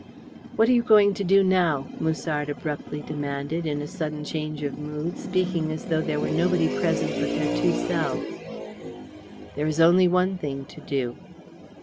"What are you going to do now?" Musard abruptly demanded, in sudden change of mood, speaking as though there were nobody present but their two selves. "There is only one thing to do."